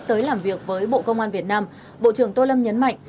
tới làm việc với bộ công an việt nam bộ trưởng tô lâm nhấn mạnh